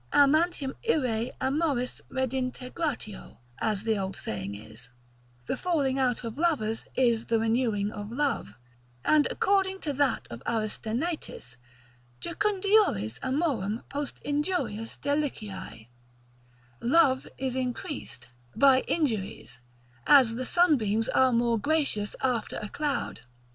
Amantium irae amoris redintegratio, as the old saying is, the falling out of lovers is the renewing of love; and according to that of Aristenaetis, jucundiores amorum post injurias deliciae, love is increased by injuries, as the sunbeams are more gracious after a cloud.